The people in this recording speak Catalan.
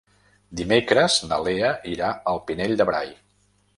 Dimecres na Lea irà al Pinell de Brai.